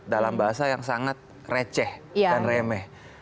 dalam bahasa yang sangat receh dan remeh